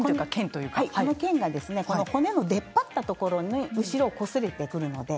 骨の出っ張ったところに後ろ、こすれてきます。